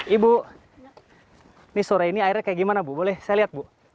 ibu ini sore ini airnya kayak gimana bu boleh saya lihat bu